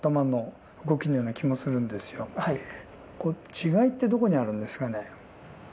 違いってどこにあるんですかね？